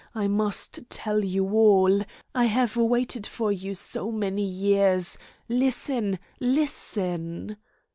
I must tell you all. I have waited for you so many years. Listen, listen!"